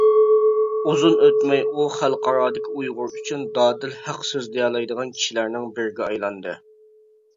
ئۇزۇن ئۆتمەي ئۇ خەلقئارادىكى ئۇيغۇر ئۈچۈن دادىل ھەق سۆزلىيەلەيدىغان كىشىلەرنىڭ بىرىگە ئايلاندى.